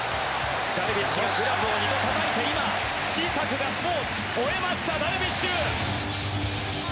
ダルビッシュがグラブを２度たたいて今、小さくガッツポーズほえました、ダルビッシュ！